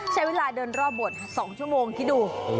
ใช้เวลาเดินรอบบวช๒ชั่วโมงคิดดู